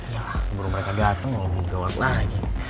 ya buru mereka dateng mau dibawa lagi